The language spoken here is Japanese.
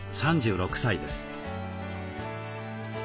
３６歳です。